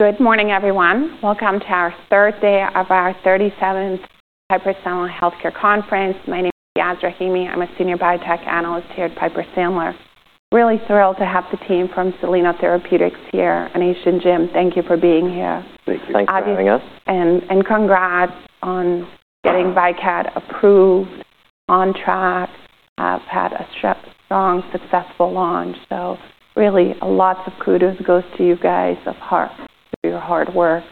Good morning, everyone. Welcome to our third day of our 37th Piper Sandler Healthcare Conference. My name is Yasmeen Rahimi. I'm a senior biotech analyst here at Piper Sandler. Really thrilled to have the team from Soleno Therapeutics here, Anish and Jim, thank you for being here. Thank you for having us. Congrats on getting VYKAT XR approved, on track. You have had a strong, successful launch. So really, lots of kudos goes to you guys from the heart for your hard work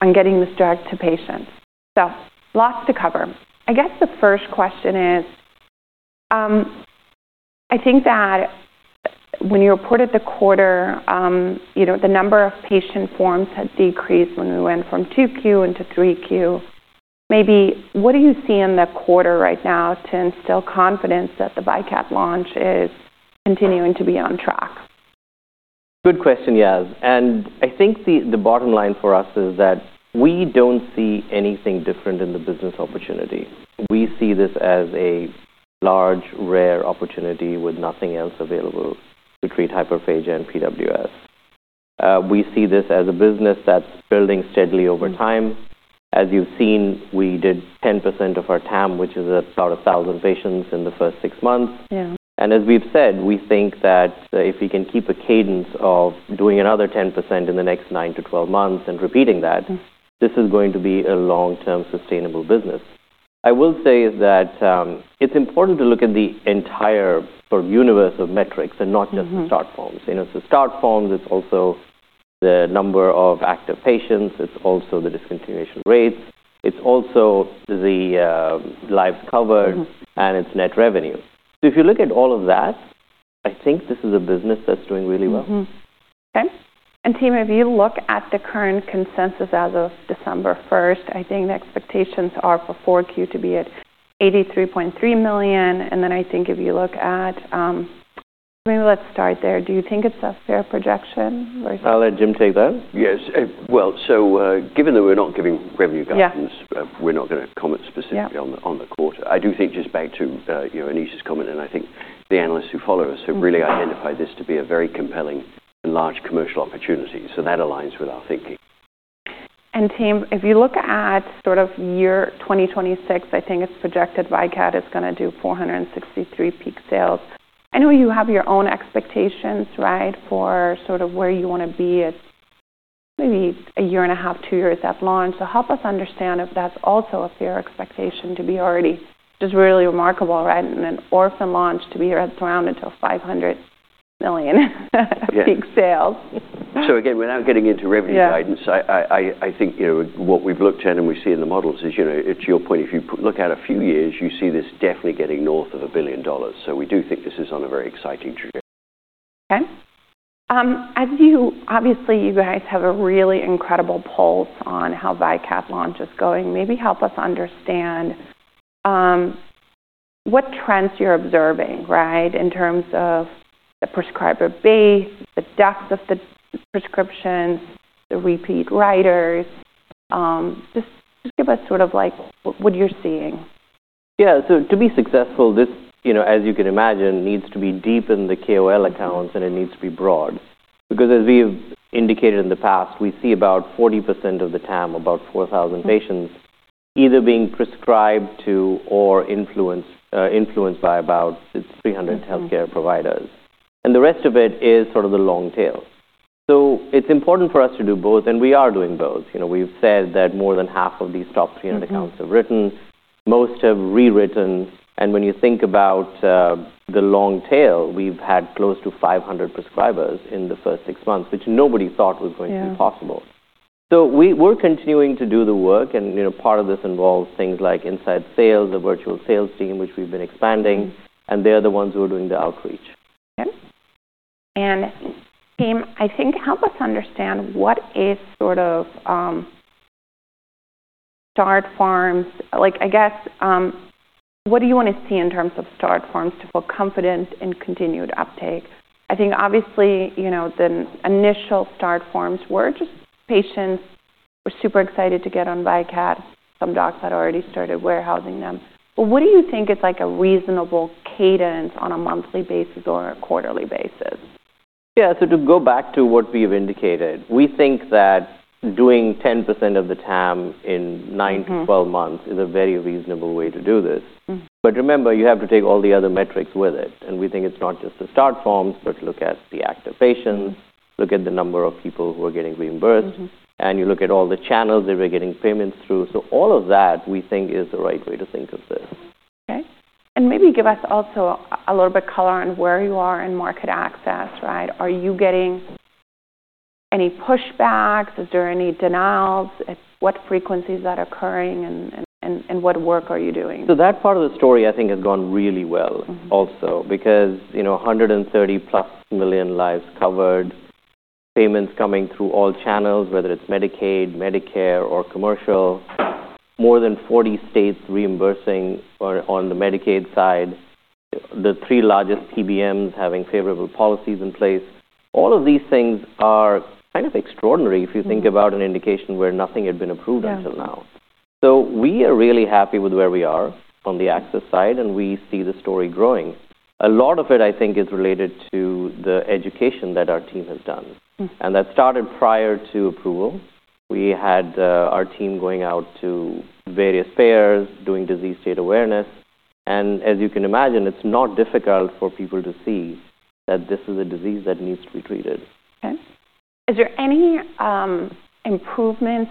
on getting this drug to patients. So lots to cover. I guess the first question is, I think that when you reported the quarter, the number of patient forms had decreased when we went from 2Q into 3Q. Maybe, what do you see in the quarter right now to instill confidence that the VYKAT XR launch is continuing to be on track? Good question, Yaz, and I think the bottom line for us is that we don't see anything different in the business opportunity. We see this as a large, rare opportunity with nothing else available to treat hyperphagia and PWS. We see this as a business that's building steadily over time. As you've seen, we did 10% of our TAM, which is about 1,000 patients in the first six months, and as we've said, we think that if we can keep a cadence of doing another 10% in the next 9-12 months and repeating that, this is going to be a long-term, sustainable business. I will say that it's important to look at the entire universe of metrics and not just the start forms, so start forms is also the number of active patients. It's also the discontinuation rates. It's also the lives covered and its net revenue. If you look at all of that, I think this is a business that's doing really well. Okay, and Team, if you look at the current consensus as of December 1st, I think the expectations are for 4Q to be at $83.3 million, and then I think if you look at, maybe let's start there. Do you think it's a fair projection? I'll let Jim take that. Yes, well, so given that we're not giving revenue guidance, we're not going to comment specifically on the quarter. I do think, just back to Anish's comment, and I think the analysts who follow us have really identified this to be a very compelling and large commercial opportunity, so that aligns with our thinking. Team, if you look at sort of year 2026, I think it's projected VYKAT XR is going to do $463 million peak sales. I know you have your own expectations, right, for sort of where you want to be at maybe a year and a half, two years at launch. Help us understand if that's also a fair expectation to be already just really remarkable, right, in an orphan launch to be surrounded to $500 million peak sales? So again, without getting into revenue guidance, I think what we've looked at and we see in the models is, to your point, if you look at a few years, you see this definitely getting north of $1 billion. So we do think this is on a very exciting trajectory. Okay. Obviously, you guys have a really incredible pulse on how VYKAT XR launch is going. Maybe help us understand what trends you're observing, right, in terms of the prescriber base, the depth of the prescriptions, the repeat writers. Just give us sort of what you're seeing. Yeah, so to be successful, as you can imagine, needs to be deep in the KOL accounts, and it needs to be broad, because as we've indicated in the past, we see about 40% of the TAM, about 4,000 patients, either being prescribed to or influenced by about 300 healthcare providers, and the rest of it is sort of the long tail, so it's important for us to do both, and we are doing both. We've said that more than half of these top 300 accounts have written. Most have rewritten, and when you think about the long tail, we've had close to 500 prescribers in the first six months, which nobody thought was going to be possible, so we're continuing to do the work, and part of this involves things like inside sales, the virtual sales team, which we've been expanding. They're the ones who are doing the outreach. Okay. And Team, I think help us understand what is sort of start forms. I guess, what do you want to see in terms of start forms to feel confident in continued uptake? I think, obviously, the initial start forms were just patients who were super excited to get on VYKAT XR. Some docs had already started warehousing them. But what do you think is a reasonable cadence on a monthly basis or a quarterly basis? Yeah. So to go back to what we've indicated, we think that doing 10% of the TAM in 9-12 months is a very reasonable way to do this. But remember, you have to take all the other metrics with it. And we think it's not just the start forms, but look at the active patients, look at the number of people who are getting reimbursed, and you look at all the channels that we're getting payments through. So all of that, we think, is the right way to think of this. Okay. And maybe give us also a little bit of color on where you are in market access, right? Are you getting any pushbacks? Is there any denials? What frequency is that occurring, and what work are you doing? So that part of the story, I think, has gone really well also because 130+ million lives covered, payments coming through all channels, whether it's Medicaid, Medicare, or commercial, more than 40 states reimbursing on the Medicaid side, the three largest PBMs having favorable policies in place. All of these things are kind of extraordinary if you think about an indication where nothing had been approved until now. So we are really happy with where we are on the access side, and we see the story growing. A lot of it, I think, is related to the education that our team has done. And that started prior to approval. We had our team going out to various fairs, doing disease state awareness. And as you can imagine, it's not difficult for people to see that this is a disease that needs to be treated. Okay. Is there any improvements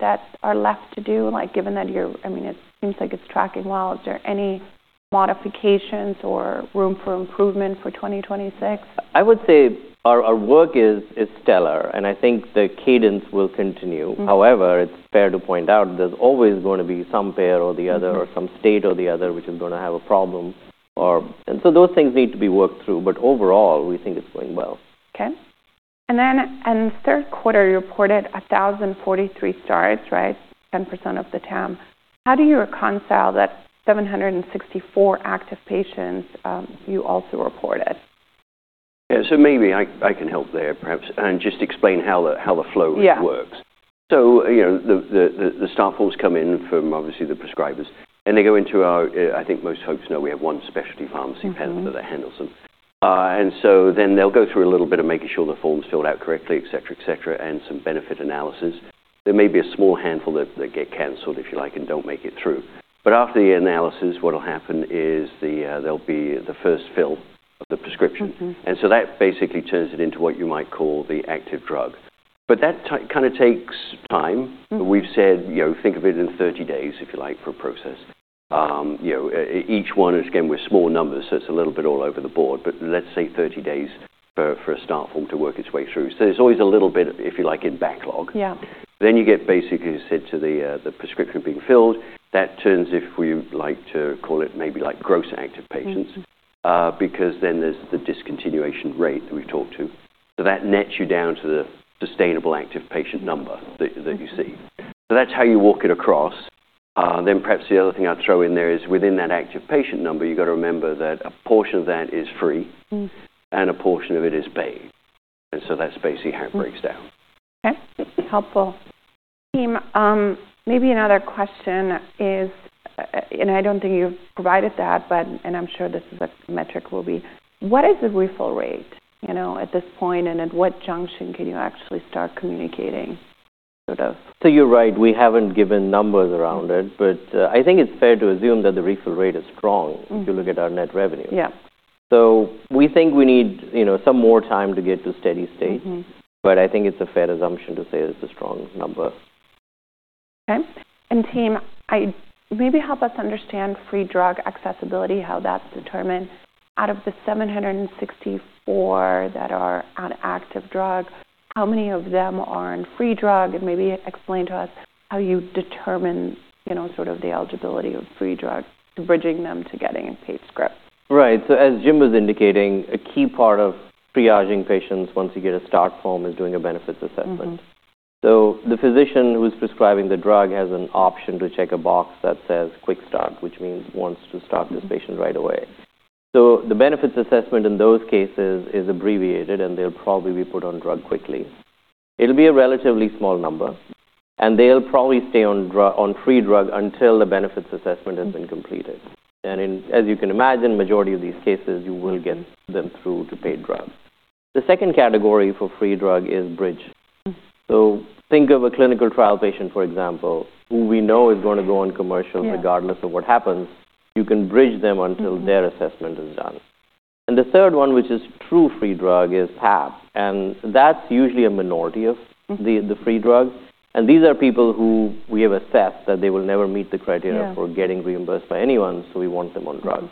that are left to do? Given that you're, I mean, it seems like it's tracking well. Is there any modifications or room for improvement for 2026? I would say our work is stellar, and I think the cadence will continue. However, it's fair to point out there's always going to be some payer or the other or some state or the other which is going to have a problem, and so those things need to be worked through, but overall, we think it's going well. Okay. And then in the third quarter, you reported 1,043 starts, right, 10% of the TAM. How do you reconcile that 764 active patients you also reported? Yeah. So maybe I can help there, perhaps, and just explain how the flow works. So the start forms come in from, obviously, the prescribers. And they go into our, I think most folks know we have one specialty pharmacy hub that handles them. And so then they'll go through a little bit of making sure the forms filled out correctly, etc., etc., and some benefit analysis. There may be a small handful that get canceled, if you like, and don't make it through. But after the analysis, what'll happen is there'll be the first fill of the prescription. And so that basically turns it into what you might call the active drug. But that kind of takes time. We've said, think of it in 30 days, if you like, for a process. Each one, again, with small numbers, so it's a little bit all over the board. But let's say 30 days for a start form to work its way through. So there's always a little bit, if you like, in backlog. Then you get basically said to the prescription being filled. That turns, if we like to call it maybe gross active patients, because then there's the discontinuation rate that we've talked to. So that nets you down to the sustainable active patient number that you see. So that's how you walk it across. Then perhaps the other thing I'd throw in there is within that active patient number, you've got to remember that a portion of that is free and a portion of it is paid. And so that's basically how it breaks down. Okay. Helpful. Team, maybe another question is, and I don't think you've provided that, and I'm sure this is a metric will be, what is the refill rate at this point, and at what junction can you actually start communicating sort of? So you're right. We haven't given numbers around it, but I think it's fair to assume that the refill rate is strong if you look at our net revenue. So we think we need some more time to get to steady state, but I think it's a fair assumption to say it's a strong number. Okay. And Team, maybe help us understand free drug accessibility, how that's determined. Out of the 764 that are on active drug, how many of them are on free drug? And maybe explain to us how you determine sort of the eligibility of free drug, bridging them to getting a paid script. Right. So as Jim was indicating, a key part of triaging patients once you get a start form is doing a benefits assessment. So the physician who's prescribing the drug has an option to check a box that says quick start, which means wants to start this patient right away. So the benefits assessment in those cases is abbreviated, and they'll probably be put on drug quickly. It'll be a relatively small number, and they'll probably stay on free drug until the benefits assessment has been completed. And as you can imagine, majority of these cases, you will get them through to paid drug. The second category for free drug is bridge. So think of a clinical trial patient, for example, who we know is going to go on commercial regardless of what happens. You can bridge them until their assessment is done. And the third one, which is true free drug, is PAP. And that's usually a minority of the free drug. And these are people who we have assessed that they will never meet the criteria for getting reimbursed by anyone, so we want them on drugs.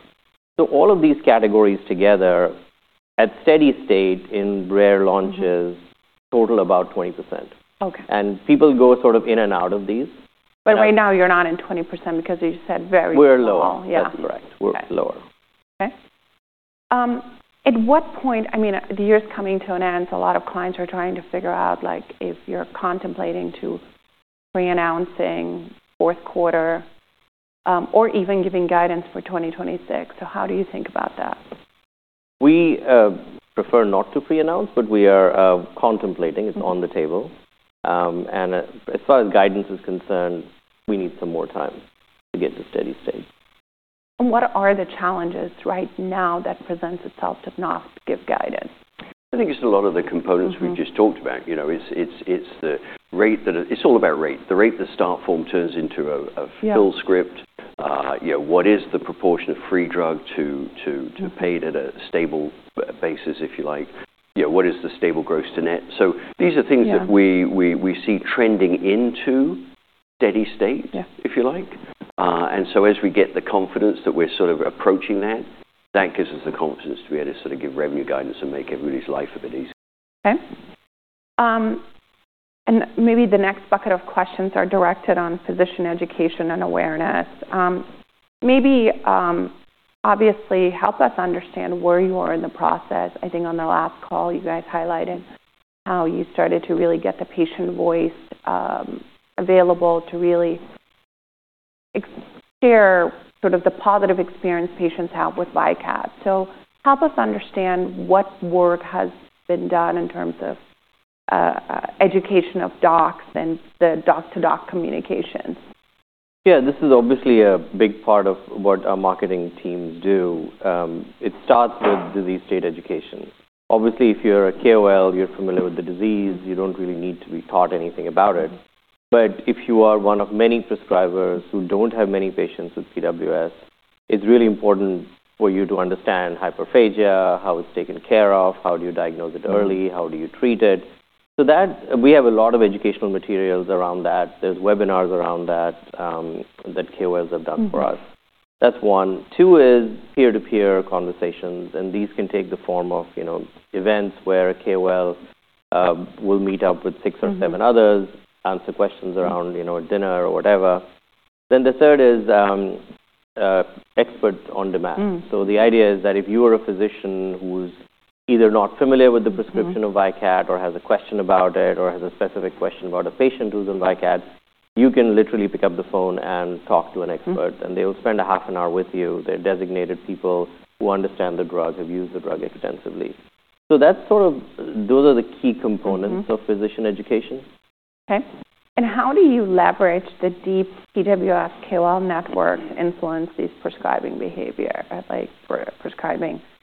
So all of these categories together at steady state in rare launches total about 20%. And people go sort of in and out of these. But right now, you're not in 20% because you said very small. We're low. That's correct. We're lower. Okay. At what point, I mean, the year is coming to an end. So a lot of clients are trying to figure out if you're contemplating to pre-announcing fourth quarter or even giving guidance for 2026. So how do you think about that? We prefer not to pre-announce, but we are contemplating. It's on the table. And as far as guidance is concerned, we need some more time to get to steady state. What are the challenges right now that presents itself to not give guidance? I think it's a lot of the components we've just talked about. It's the rate that it's all about rate. The rate the start form turns into a fill script. What is the proportion of free drug to paid at a stable basis, if you like? What is the stable gross to net? So these are things that we see trending into steady state, if you like. And so as we get the confidence that we're sort of approaching that, that gives us the confidence to be able to sort of give revenue guidance and make everybody's life a bit easier. Okay. And maybe the next bucket of questions are directed on physician education and awareness. Maybe, obviously, help us understand where you are in the process. I think on the last call, you guys highlighted how you started to really get the patient voice available to really share sort of the positive experience patients have with VYKAT XR. So help us understand what work has been done in terms of education of docs and the doc-to-doc communication. Yeah. This is obviously a big part of what our marketing teams do. It starts with disease state education. Obviously, if you're a KOL, you're familiar with the disease. You don't really need to be taught anything about it. But if you are one of many prescribers who don't have many patients with PWS, it's really important for you to understand hyperphagia, how it's taken care of, how do you diagnose it early, how do you treat it. So we have a lot of educational materials around that. There's webinars around that that KOLs have done for us. That's one. Two is peer-to-peer conversations. And these can take the form of events where a KOL will meet up with six or seven others, answer questions around dinner or whatever. Then the third is expert on demand. So the idea is that if you are a physician who's either not familiar with the prescription of VYKAT XR or has a question about it or has a specific question about a patient who's on VYKAT XR, you can literally pick up the phone and talk to an expert. And they will spend a half an hour with you. They're designated people who understand the drug, have used the drug extensively. So those are the key components of physician education. Okay, and how do you leverage the deep PWS-KOL network to influence these prescribing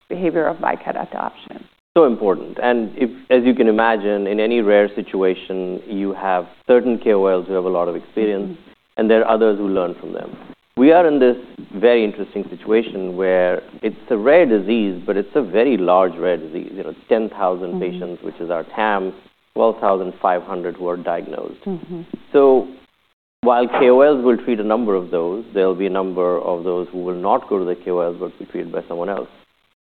behavior of VYKAT XR adoption? So important. And as you can imagine, in any rare situation, you have certain KOLs who have a lot of experience, and there are others who learn from them. We are in this very interesting situation where it's a rare disease, but it's a very large rare disease. 10,000 patients, which is our TAM, 12,500 who are diagnosed. So while KOLs will treat a number of those, there'll be a number of those who will not go to the KOLs but be treated by someone else.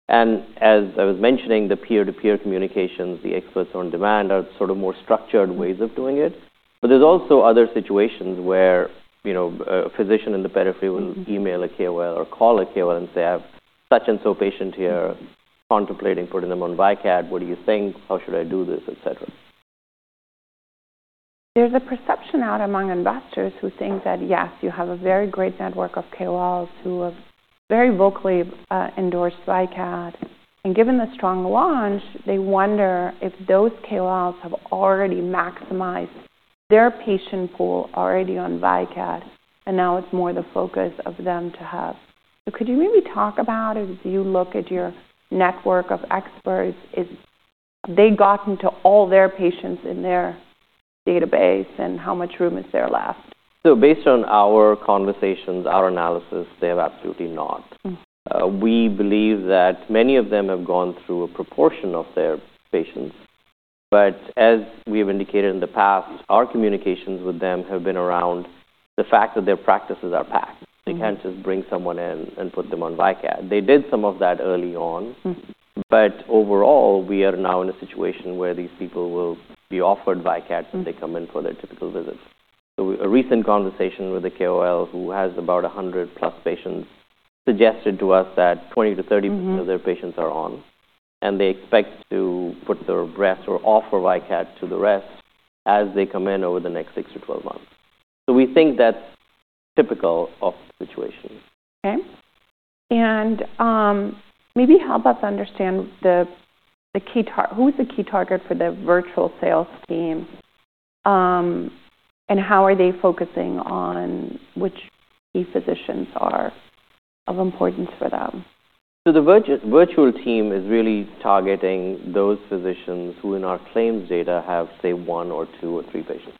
And as I was mentioning, the peer-to-peer communications, the experts on demand are sort of more structured ways of doing it. But there's also other situations where a physician in the periphery will email a KOL or call a KOL and say, "I have such and so patient here, contemplating putting them on VYKAT XR. What do you think? How should I do this?" etc. There's a perception out among investors who think that, yes, you have a very great network of KOLs who have very vocally endorsed VYKAT XR, and given the strong launch, they wonder if those KOLs have already maximized their patient pool on VYKAT XR, and now it's more the focus of them to have, so could you maybe talk about, as you look at your network of experts, have they gotten to all their patients in their database and how much room is there left? So based on our conversations, our analysis, they have absolutely not. We believe that many of them have gone through a proportion of their patients. But as we have indicated in the past, our communications with them have been around the fact that their practices are packed. They can't just bring someone in and put them on VYKAT XR. They did some of that early on. But overall, we are now in a situation where these people will be offered VYKAT XRs if they come in for their typical visits. So a recent conversation with a KOL who has about 100+ patients suggested to us that 20%-30% of their patients are on, and they expect to put the rest or offer VYKAT XR to the rest as they come in over the next 6-12 months. So we think that's typical of the situation. Okay. And maybe help us understand the key target. Who is the key target for the virtual sales team? And how are they focusing on which key physicians are of importance for them? So the virtual team is really targeting those physicians who in our claims data have, say, one or two or three patients.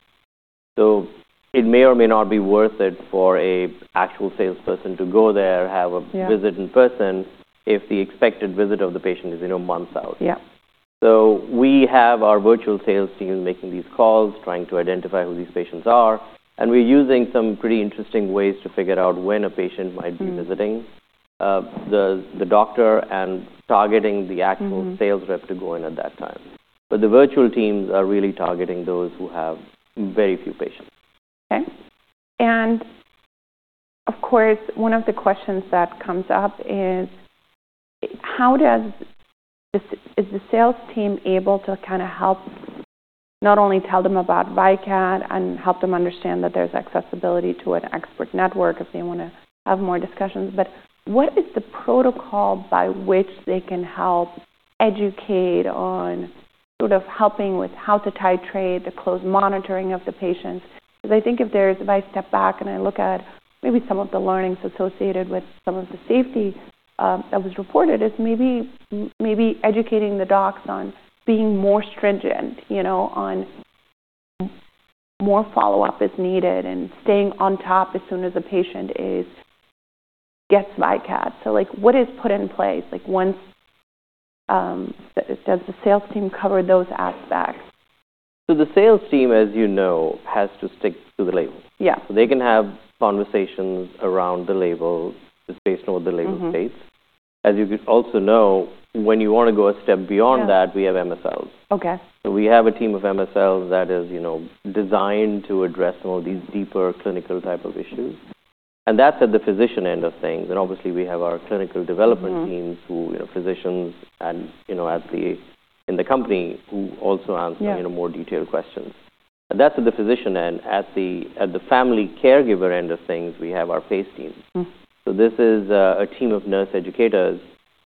So it may or may not be worth it for an actual salesperson to go there, have a visit in person if the expected visit of the patient is months out. So we have our virtual sales team making these calls, trying to identify who these patients are. And we're using some pretty interesting ways to figure out when a patient might be visiting the doctor and targeting the actual sales rep to go in at that time. But the virtual teams are really targeting those who have very few patients. Okay, and of course, one of the questions that comes up is, is the sales team able to kind of help not only tell them about VYKAT XR and help them understand that there's accessibility to an expert network if they want to have more discussions, but what is the protocol by which they can help educate on sort of helping with how to titrate the close monitoring of the patients? Because I think if I step back and I look at maybe some of the learnings associated with some of the safety that was reported, it's maybe educating the docs on being more stringent, on more follow-up as needed, and staying on top as soon as a patient gets VYKAT XR. So, what is put in place once does the sales team cover those aspects? So the sales team, as you know, has to stick to the label. So they can have conversations around the label just based on what the label states. As you also know, when you want to go a step beyond that, we have MSLs. So we have a team of MSLs that is designed to address some of these deeper clinical type of issues. And that's at the physician end of things. And obviously, we have our clinical development teams who are physicians and in the company who also answer more detailed questions. And that's at the physician end. At the family caregiver end of things, we have our PACE team. So this is a team of nurse educators.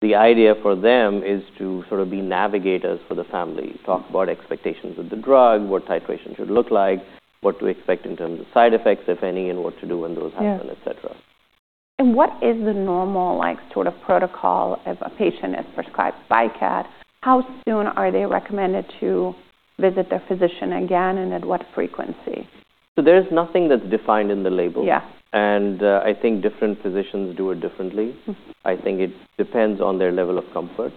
The idea for them is to sort of be navigators for the family, talk about expectations of the drug, what titration should look like, what to expect in terms of side effects, if any, and what to do when those happen, etc. What is the normal sort of protocol if a patient is prescribed VYKAT XR? How soon are they recommended to visit their physician again, and at what frequency? So there's nothing that's defined in the label. And I think different physicians do it differently. I think it depends on their level of comfort.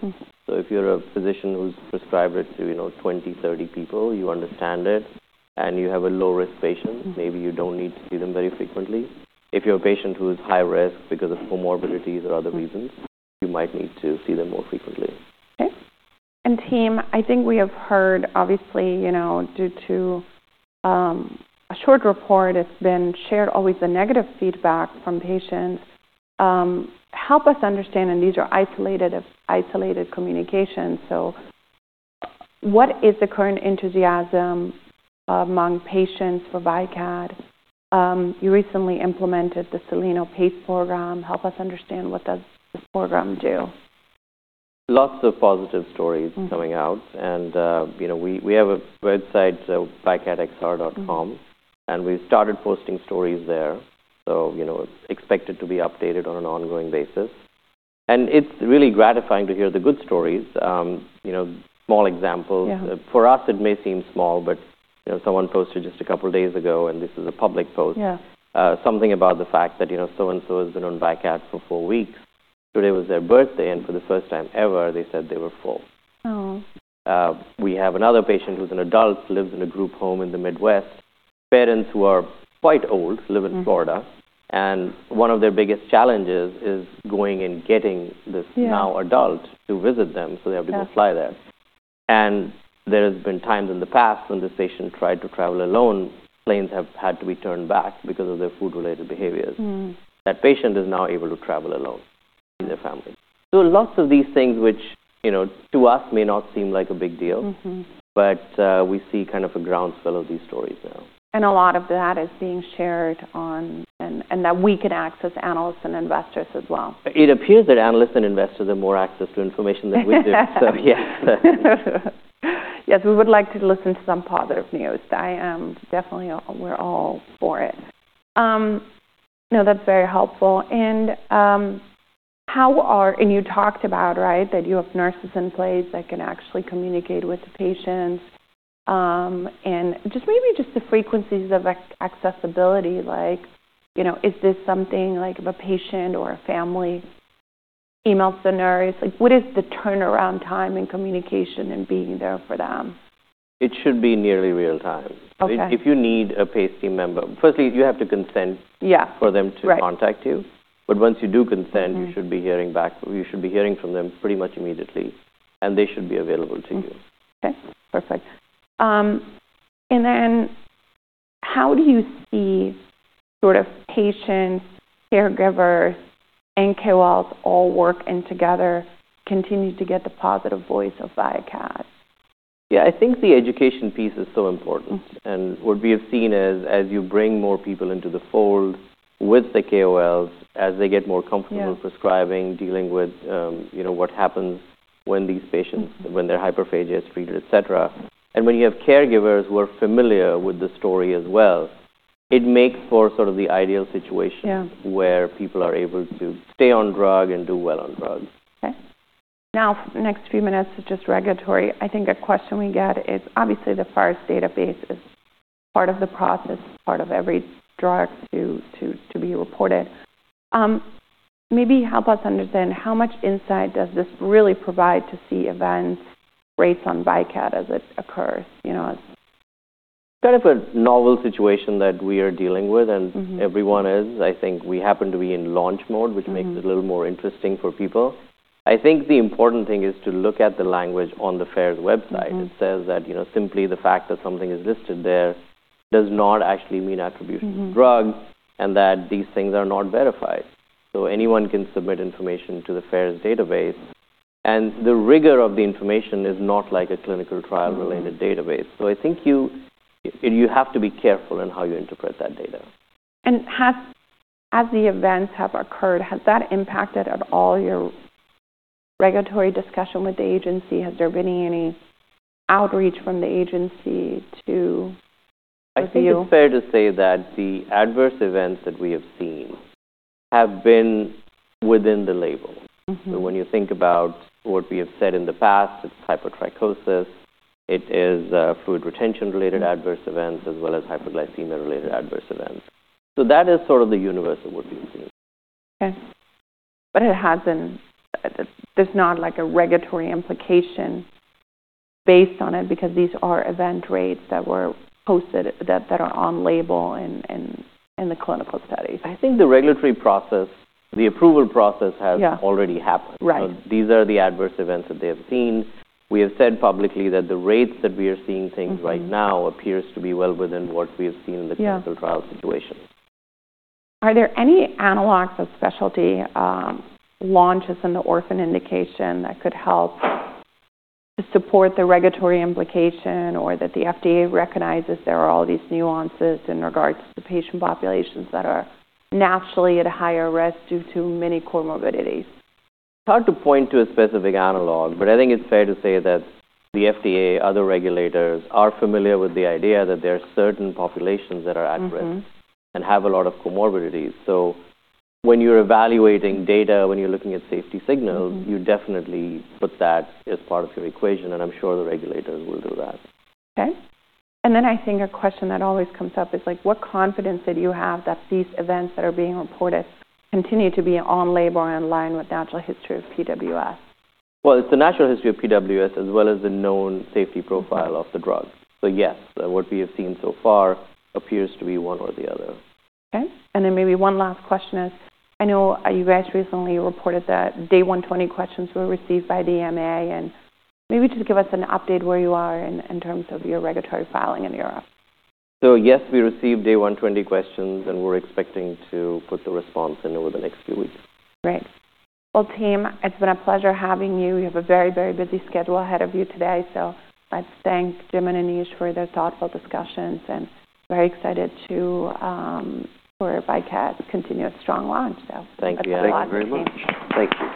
So if you're a physician who's prescribed it to 20, 30 people, you understand it, and you have a low-risk patient, maybe you don't need to see them very frequently. If you're a patient who is high risk because of comorbidities or other reasons, you might need to see them more frequently. Okay. And Team, I think we have heard, obviously, due to a short report, it's been shared always the negative feedback from patients. Help us understand, and these are isolated communications. So what is the current enthusiasm among patients for VYKAT XR? You recently implemented the Soleno PACE Program. Help us understand what does this program do. Lots of positive stories coming out. And we have a website, vykatxr.com, and we've started posting stories there. So it's expected to be updated on an ongoing basis. And it's really gratifying to hear the good stories. Small examples. For us, it may seem small, but someone posted just a couple of days ago, and this is a public post, something about the fact that so-and-so has been on VYKAT XR for four weeks. Today was their birthday, and for the first time ever, they said they were full. We have another patient who's an adult, lives in a group home in the Midwest. Parents who are quite old live in Florida. And one of their biggest challenges is going and getting this now adult to visit them, so they have to go fly there. And there have been times in the past when this patient tried to travel alone. Planes have had to be turned back because of their food-related behaviors. That patient is now able to travel alone and see their family. So lots of these things, which to us may not seem like a big deal, but we see kind of a groundswell of these stories now. A lot of that is being shared on and that we can access analysts and investors as well. It appears that analysts and investors have more access to information than we do. So yes. Yes. We would like to listen to some positive news. Definitely, we're all for it. No, that's very helpful. And you talked about, right, that you have nurses in place that can actually communicate with the patients. And just maybe just the frequencies of accessibility. Is this something like if a patient or a family emails the nurse, what is the turnaround time and communication and being there for them? It should be nearly real-time. If you need a PACE team member, firstly, you have to consent for them to contact you. But once you do consent, you should be hearing back. You should be hearing from them pretty much immediately, and they should be available to you. Okay. Perfect. And then how do you see sort of patients, caregivers, and KOLs all working together continue to get the positive voice of VYKAT XR? Yeah. I think the education piece is so important. And what we have seen is as you bring more people into the fold with the KOLs, as they get more comfortable prescribing, dealing with what happens when these patients, when they're hyperphagia, it's treated, etc. And when you have caregivers who are familiar with the story as well, it makes for sort of the ideal situation where people are able to stay on drug and do well on drugs. Okay. Now, next few minutes is just regulatory. I think a question we get is, obviously, the FAERS database is part of the process, part of every drug to be reported. Maybe help us understand how much insight does this really provide to see events, rates on VYKAT XR as it occurs? It's kind of a novel situation that we are dealing with, and everyone is. I think we happen to be in launch mode, which makes it a little more interesting for people. I think the important thing is to look at the language on the FAERS website. It says that simply the fact that something is listed there does not actually mean attribution to the drug and that these things are not verified. So anyone can submit information to the FAERS database, and the rigor of the information is not like a clinical trial-related database. So I think you have to be careful in how you interpret that data. As the events have occurred, has that impacted at all your regulatory discussion with the agency? Has there been any outreach from the agency to review? I think it's fair to say that the adverse events that we have seen have been within the label, so when you think about what we have said in the past, it's hypertrichosis. It is fluid retention-related adverse events as well as hyperglycemia-related adverse events, so that is sort of the universe of what we have seen. Okay, but there's not a regulatory implication based on it because these are event rates that were posted that are on label in the clinical studies. I think the regulatory process, the approval process has already happened. These are the adverse events that they have seen. We have said publicly that the rates that we are seeing things right now appears to be well within what we have seen in the clinical trial situation. Are there any analogs of specialty launches in the orphan indication that could help to support the regulatory implication or that the FDA recognizes there are all these nuances in regards to patient populations that are naturally at a higher risk due to many comorbidities? It's hard to point to a specific analog, but I think it's fair to say that the FDA, other regulators are familiar with the idea that there are certain populations that are at risk and have a lot of comorbidities, so when you're evaluating data, when you're looking at safety signals, you definitely put that as part of your equation, and I'm sure the regulators will do that. Okay, and then I think a question that always comes up is, what confidence did you have that these events that are being reported continue to be on label and in line with the actual history of PWS? It's the natural history of PWS as well as the known safety profile of the drug. Yes, what we have seen so far appears to be one or the other. Okay. And then maybe one last question is, I know you guys recently reported that Day 120 Questions were received by EMA. And maybe just give us an update where you are in terms of your regulatory filing in Europe. So yes, we received Day 120 Questions, and we're expecting to put the response in over the next few weeks. Great. Well, Team, it's been a pleasure having you. You have a very, very busy schedule ahead of you today, so let's thank Jim and Anish for their thoughtful discussions, and very excited for VYKAT XR's continued strong launch. Thank you very much. Thank you.